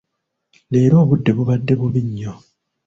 Leero obudde bubadde bubi nnyo.